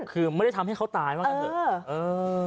คือไม่ได้ทำให้เขาตายว่างั้นเถอะ